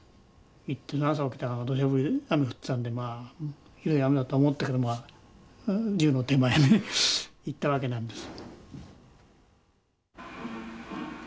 朝起きたらどしゃ降り雨降ってたんでまあひどい雨だとは思ったけど銃の手前ね行ったわけなんです。